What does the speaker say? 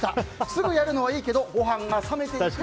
すぐやるのはいいけどごはんが冷めていく。